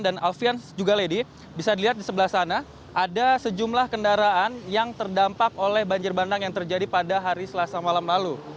dan alvian juga lady bisa dilihat di sebelah sana ada sejumlah kendaraan yang terdampak oleh banjir bandang yang terjadi pada hari selasa malam lalu